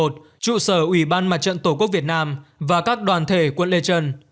trụ sở ủy ban mặt trận tổ quốc việt nam và các đoàn thể quận lê trân